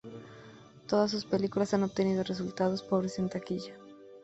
Todas sus películas han obtenido resultados pobres en taquilla.